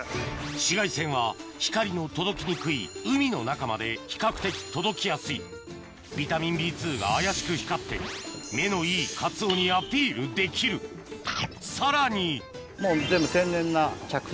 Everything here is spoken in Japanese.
紫外線は光の届きにくい海の中まで比較的届きやすいビタミンＢ２があやしく光って目のいいカツオにアピールできるさらにもう全部。